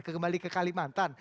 kembali ke kalimantan